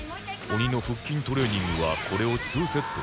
鬼の腹筋トレーニングはこれを２セット行う